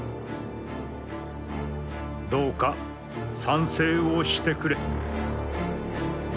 「どうか賛成をして呉れ」。